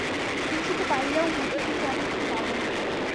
দেখিতে পাইয়াও মতি কিন্তু অনেকক্ষণ নড়ে না।